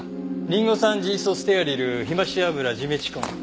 リンゴ酸ジイソステアリルヒマシ油ジメチコン。